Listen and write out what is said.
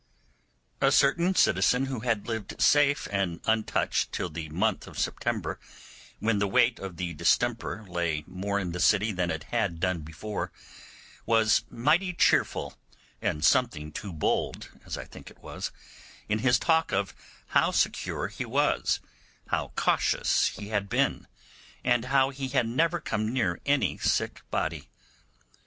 A certain citizen who had lived safe and untouched till the month of September, when the weight of the distemper lay more in the city than it had done before, was mighty cheerful, and something too bold (as I think it was) in his talk of how secure he was, how cautious he had been, and how he had never come near any sick body.